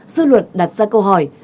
sư luật đặt ra câu hỏi